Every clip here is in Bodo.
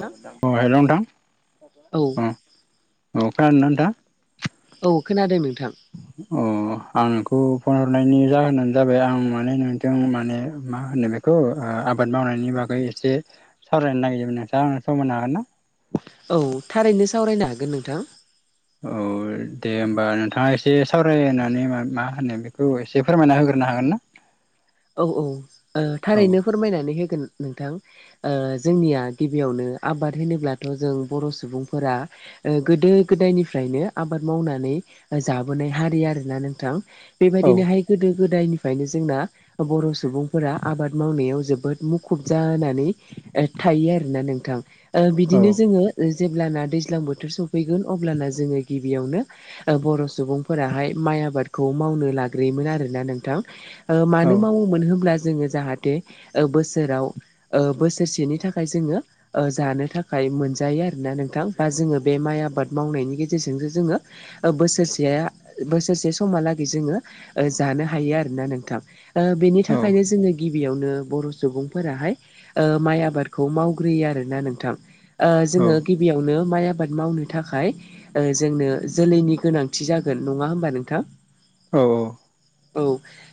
अ नोंथां अ हेलौ नोंथां अ खोनादोना अ औ खोनादोना नोंथाङा? औ खोनादों नोंथां अ आं नोंखौ फन हरनायनि जाहोनानो जाबाय आं माने नोंजों माने मा होनो बे खौ आबाद मावनायनि बागै एसे सावरायनो नागिरदोंमोन नोंथाङा आंनो सम होनो हागोनना। औ थारैनो सावरायनो हागोन नोंथां औ दे होमबा नोंथाङा एसे सावरायनानै मा होनो बेखौ एसे फोरमायना होग्रोनो हागोनना। औ औ ओ औ थारैनो फोरमायनानै होगोन नोंथां ओ जोंनिया गिबियावनो आबाद होनोब्लाथ' जों बर' सुबुंफोरा ओ गोदो गोदायनिफ्रायनो आबाद मावनानै जाबोनाय हारि आरोना नोंथां। औ बेबायदिनोहाय गोदो गोदायनिफ्रायनो जोंना बर' सुबुंफोरा आबाद मावनायाव जोबोद मुखुब जानानै थायो आरोना नोंथां ओ औ बिदिनो जोंङो जेब्लाना दैज्लां बोथोर सफैगोन अब्लाना जोंङो गिबियावनो ओ बर' सुबुंफोराहाय माइ आबादखौ मावनो लाग्रोयोमोन आरोना नोंथां ओ औ मानो माव मोन होमब्ला जोंङो जाहाथे बोसोराव बोसोरसेनि थाखाय जोंङो ओ जानो थाखाय मोनजायो आरोना नोंथां बा जोंङो बे माइ आबाद मावनायनि गेजेरजोंसो जोंङो बोसोरसेया बोसोरसे समहालागै जोंङो जानो हायो आरोना नोंथां। ओ बेनि औ थाखायनो जोंङो गिबियावनो बर' सुबुंफोराहाय ओ माइ आबादखौ मावग्रोयो आरोना नोंथां। ओ औ जोंङो गिबियावनो माइ आबाद मावनो थाखाय ओ जोंनो जोलैनि गोनांथि जागोन नङा होमबा नोंथां औ औ औ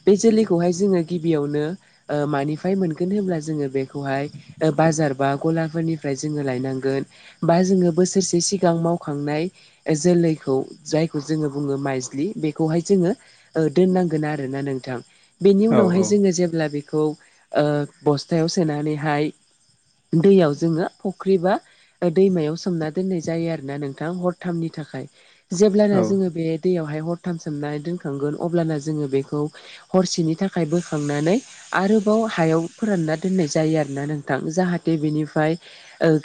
बे जोलैखौहाय जोंङो गिबियावनो ओ मानिफ्राय मोनगोन होनब्ला जोंङो बेखौहाय ओ बाजार बा गलाफोरनिफ्राय जोंङो लायनांगोन बा जोंङो बोसोरसे सिगां मावखांनाय जोलैखौ जायखौ जोंङो बुङो माइज्लि बेखौहाय जोंङो ओ दोननांगोन आरोना नोंथां बेनि औ उनावहाय जोंङो जेब्ला बे खौ ओ बस्थायाव सोनानैहाय दैयाव जोंङो फुख्रिबा दैमायाव सोमना दोननाय जायो आरोना नोंथां हरथामनि थाखाय जेब्लाना जोंङो बे दैयावहाय हरथाम सोमनानै दोनखांगोन अब्लाना जोंङो बेखौ हरसेनि थाखाय बोखांनानै आरोबाव हायाव फोरानना दोननाय जायो आरोना नोंथां जाहाथे बेनिफ्राय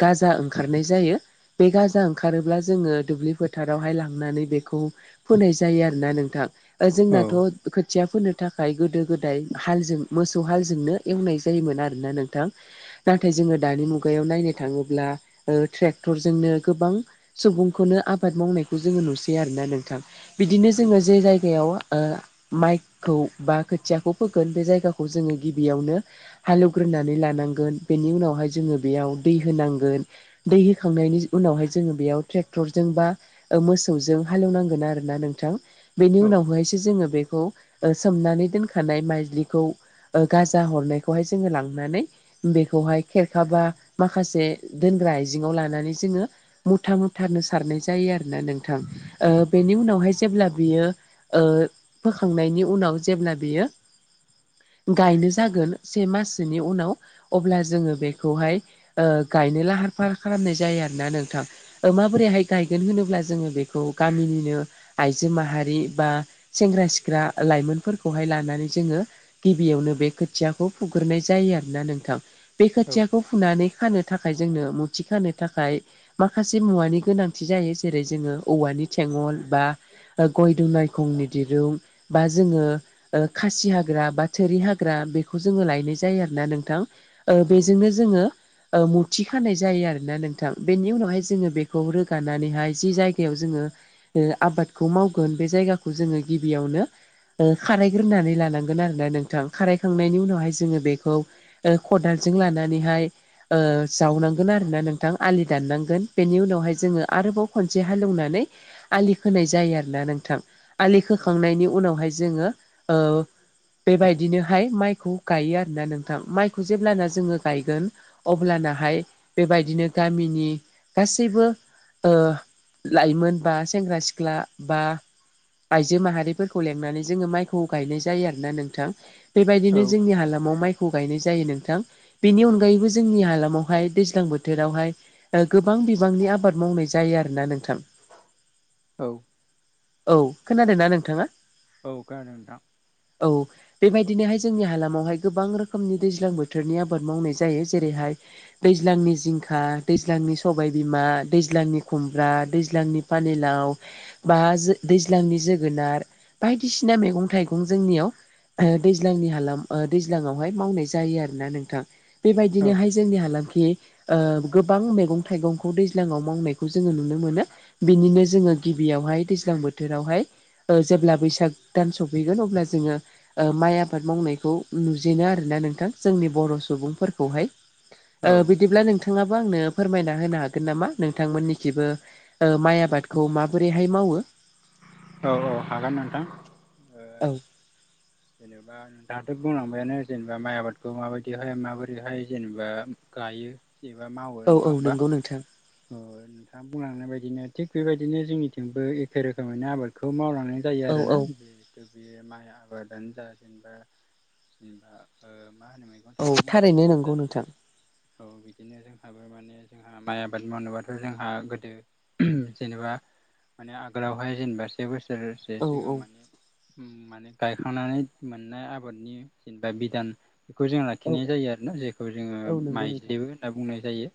गाजा ओंखारनाय जायो। बे गाजा ओंखारोब्ला जोंङो दुब्लि फोथारावहाय लांनानै बेखौ फोनाय जायो आरोना नोंथां जोंनाथ' खोथिया फोनो थाखाय गोदो गोदाय हालजों मोसौ हालजोंनो एवनाय जायोमोन आरोना नोंथां नाथाय जोङो दानि मुगायाव नायनो थाङोब्ला ओ ट्रेक्टरजोंनो गोबां सुबुंखौनो आबाद मावनायखौ जोङो नुसैयो आरोना नोंथां बिदिनो जोङो जे जायगायाव ओ माइ खौ बा खोथियाखौ फोगोन बे जायगाखौ जोङो गिबियावनो हालेवग्रोनानै लानांगोन बेनि उनावहाय जोङो बेयाव दै होनांगोन दै होखांनायनि उनावहाय जोङो बेयाव ट्रेक्टरजों बा ओ मोसौजों हालेवनांगोन आरोना नोंथां बेनि उनावहायसो जोङो बेखौ ओ सोमनानै दोनखानाय माइज्लिखौ गाजा हरनायखौहाय जोङो लांनानै बेखौहाय खेरखाबा माखासे दोनग्रा आइजेङाव लानानै जोङो मुथा मुथानो सारनाय जायो आरोना नोंथां बेनि उनावहाय जेब्ला बियो ओ फोखांनायनि उनाव जेब्ला बेयो गायनो जागोन से माससोनि उनाव अब्ला जोङो बेखौहाय गायनो लाहार फाहार खालामनाय जायो आरोना नोंथां ओ माबोरैहाय गायगोन होनोब्ला जोङो बेखौ गामिनिनो आइजो माहारि बा सेंग्रा-सिख्ला लाइमोनफोरखौहाय लानानै जोङो गिबियावनो बे खोथियाखौ फुग्रोनाय जायो आरोना नोंथां बे खोथियाखौ फुनानै खानो थाखाय जोंनो मुथि खानो थाखाय माखासे मुवानि गोनांथि जायो जेरै जोङो औवानि थेंगल बा गय दुनायखंनि दिरुं बा जोङो ओ खासि हाग्रा बा थोरि हाग्रा बेखौ लायनाय जायो आरो ना नोंथां बेजोंनो जोङो ओ मुथि खानाय जायो आरोना नोंथां बेनि उनावहाय जोङो बेखौ रोगानानैहाय जि जायगायाव जोङो ओ आबादखौ मावगोन बे जायगाखौ जोङो गिबियावनो ओ खारायग्रोनानै लानांगोन आरोना नोंथां खारायखांनायनि उनावहाय जोङो बेखौ ओ खदालजों लानानैहाय ओ जावनांगोन आरोना नोंथां आलि दाननांगोन बेनि उनावहाय जोङो आरोबाव खनसे हालौनानै आलि खोनाय जायो आरोना नोंथां आलि खोखांनायनि उनावहाय जोङो ओ बेबायदिनोहाय माइखौ गायो आरोना नोंथां माइखौ जेब्लाना जोङो गायगोन अब्लानाहाय बेबायदिनो गामिनि गासैबो ओ लाइमोन बा सेंग्रा सिख्ला बा आइजो माहारिफोरखौ खौ लेंनानै जोङो माइखौ गायनाय जायो आरोना नोंथां बेबायदिनो जोंनि हालामाव माइखौ खौ गायनाय जायो नोंथां बेनि अनगायैबो जोंनि हालामावहाय दैज्लां बोथोरावहाय ओ गोबां बिबांनि आबाद मावनाय जायो आरोना नोंथां। औ। औ खोनादोंना नोंथाङा? औ खोनादों नोंथां। औ। बेबायदिनोहाय जोंनि हालामावहाय गोबां रोखोमनि दैज्लां बोथोरनि आबाद मावनाय जायो जेरैहाय दैज्लांनि जिंखा दैज्लांनि सबाय बिमा दैज्लांनि खुमब्रा दैज्लांनि पानिलाव बा दैज्लांनि जोगोनार बायदिसिना मैगं थाइगं जोंनियाव ओ दैज्लांनि हालाम दैज्लांआवहाय मावनाय जायो आरोना नोंथां औ बेबायदिनोहाय जोंनि हालामखि ओ गोबां मैगं थाइगंखौ दैज्लाङाव मावनायखौ जोङो नुनो मोनो। बिनिनो जोङो गिबियावहाय दैज्लां बोथोरावहाय ओ जेब्ला बैसाग दान सफैगोन अब्ला जोङो ओ माइ आबाद मावनायखौ नुजेनो आरोना नोंथां जोंनि बर' सुबुंफोरखौहाय। औ ओ बिदिब्ला नोंथाङाबो आंनो फोरमायना होनो हागोन नामा नोंथांमोननिखिबो ओ माइ आबादखौ माबोरैहाय मावो औ-औ हागोन नोंथां। औ। जेनेबा दाथ' बुंलांबायानो जेनेबा माइ आबादखौ माबायदिहाय माबोरैहाय जेनेबा गायो। एबा मावो औ औ नङा होमबा नंगौ नोंथां ओ नोंथाङा बुंलांनाय बायदिनो थिग बेबायदिनो जोंनिथिंबो एखे रोखोमैनो आबादखौ मावलांनानै जायो औ आरोना औ जिहेथु बेयो माइ आबादानो जा। जेनेबा-जेनबा ओ मा होनोमोन। औ थारैनो नंगौ नोंथां। औ बिदिनो जोंहाबो माने जोंहा माइ आबाद मावनोबाथ' जोंहा गोदो जेनेबा माने आगोलावहाय जेनेबा से बोसोरसो औ सिगां औ माने-माने गायखांनानै मोननाय आबादनि जेनेबा बिधान बेखौ जों औ लाखिनाय जायो आरो ना जेखौ जोङो औ नंगौ नोंथां माइज्लिबो होनना बुंनाय जायो।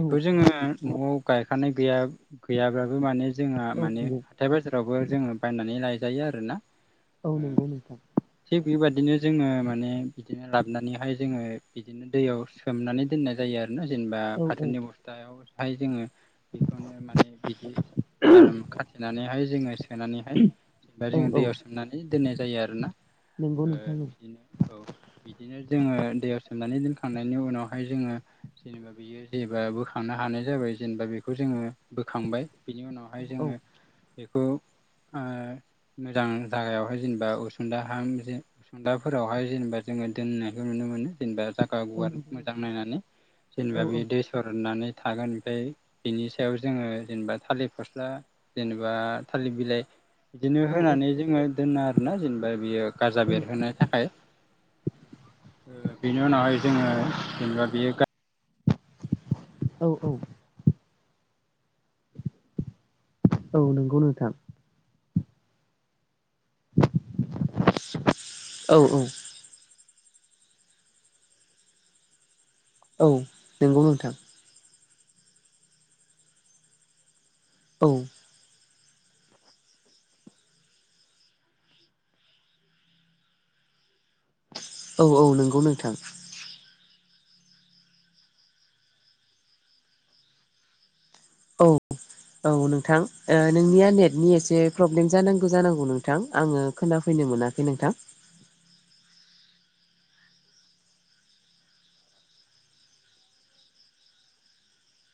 औ जोङो न'आव गायखानाय गैया गैयाब्लााबबो माने जोंहा औ माने नंगौ हथायाइ बाजारावबो जोङो बायनानै लायजायो आरोना औ नंगौ नोंथां। थिग बेबायादिनो जोङो माने बिदिनो लाबानैहाय जोङो बिदिनो दैयाव सोमनानै दोननाय जायो आरोना जेनेबा औ औ नंगौ नोंथां औ फाथोनि अबस्थायावहाय जोङो बेखौनो माने बिदि आराम खाथिनानैहाय जोङो सोनानैहाय जेनेबा औ जों दैयाव सोमनानै दोननाय जायो आरोना नंगौ नोंथां बिदिनो ओ औ बिदिनो जोङो दैयाव सोमनानै दोनखांनायनि उनावहाय जोङो जेनेबा बियो जेबा बोखांनो हानाय जाबाय जेनेबा बेखौ जोङो बोखांबाय बिनि उनाव बेहाय जोङो मोजां जागायावहाय जेनेबा सदाह जेनेबा जोङो दोननायखौ नुनो जेनेबा जागा गुवार मोजां नायनानै औ जेनेबा बे दै सरदनानै थागोन ओमफ्राय बिनि सायाव जोङो जेनेबा थालिर फस्ला जेनेबा थालिर बिलाइ बिदिनो औ होनानै जोङो दोनो आरोना जेनबा। ओमफ्राय बियो गाराजजा बेरहोनो थाखाय बेनि उनावहाय जोङो जेनेबा बेयो गा औ औ। औ नंगौ नोंथां। औ औ। औ नंगौ नोंथां। औ। औ औ नंगौ नोंथां। औ। औ नोंथां नोंनिया नेटनि एसे प्रब्लेम जानांगौ जानांगौ नोंथां आङो खोनाफैनो मोनाखै बे नोंथां।